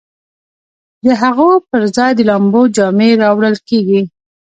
د هغو پر ځای د لامبو جامې راوړل کیږي